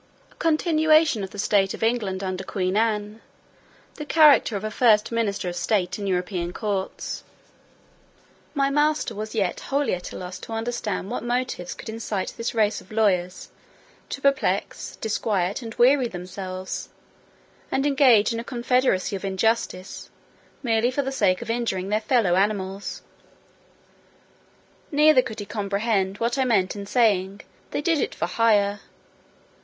A continuation of the state of England under Queen Anne. The character of a first minister of state in European courts. My master was yet wholly at a loss to understand what motives could incite this race of lawyers to perplex, disquiet, and weary themselves, and engage in a confederacy of injustice, merely for the sake of injuring their fellow animals; neither could he comprehend what I meant in saying, they did it for hire.